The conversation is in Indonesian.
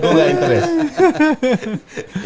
dan gue gak interest